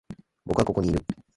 僕はここにいる。